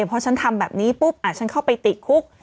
พอฉันทำแบบนี้ปุ๊บฉันเข้าไปติดคุก